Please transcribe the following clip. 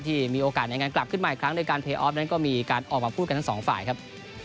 ที่มีโอกาสในงานกลับขึ้นมาอีกครั้งโดยการเทออฟนั้นก็มีการออกมาพูดกันทั้งสองฝ่ายครับ